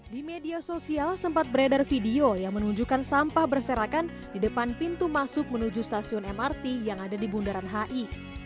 di media sosial sempat beredar video yang menunjukkan sampah berserakan di depan pintu masuk menuju stasiun mrt yang ada di bundaran hi